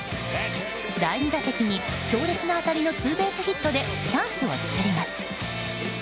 第２打席に強烈な当たりのツーベースヒットでチャンスを作ります。